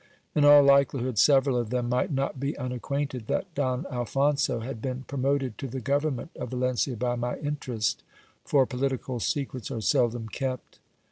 In all likelihood several of them might not be unacquainted that Don Alphonso had been promoted to the government of Valencia by my interest, for political secrets are seldom kept.